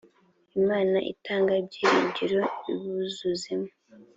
imana itanga ibyiringiro ibuzuzemo